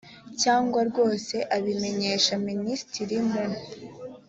cyangwa rwose abimenyesha minisitiri mu